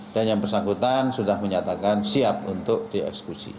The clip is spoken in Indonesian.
dan yang bersangkutan sudah menyatakan siap untuk dieksekusi